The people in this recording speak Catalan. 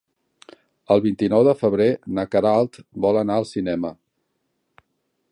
El vint-i-nou de febrer na Queralt vol anar al cinema.